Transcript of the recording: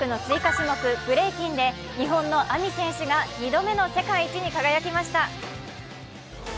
種目ブレイキンで日本のＡＭＩ選手が２度目の世界一に輝きました。